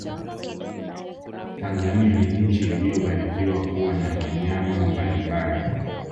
tanzania ni nchi iliyobarikiwa kuwa na wanyama mbalimbali